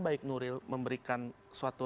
baik nuril memberikan suatu